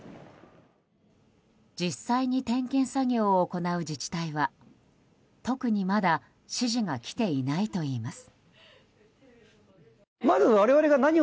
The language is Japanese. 実際に点検作業を行う自治体は特にまだ指示が来ていないといいます。